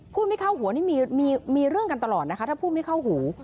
ไม่เข้าหัวนี่มีเรื่องกันตลอดนะคะถ้าพูดไม่เข้าหู